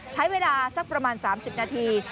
ใช้เวลาสักประมาณ๓๐นาที